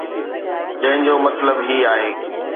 جنهن جو مطلب هي آهي.